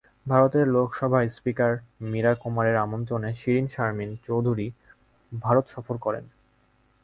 ভারতের লোকসভার স্পিকার মিরা কুমারের আমন্ত্রণে শিরীন শারমিন চৌধুরী ভারত সফর করেন।